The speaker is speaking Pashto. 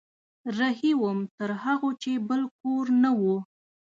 رهي وم تر هغو چې بل کور نه و